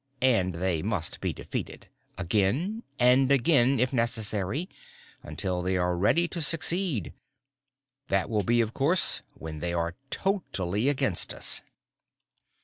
And they must be defeated, again and again, if necessary, until they are ready to succeed. That will be, of course, when they are totally against us."